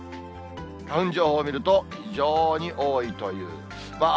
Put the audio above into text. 花粉情報を見ると、非常に多いという。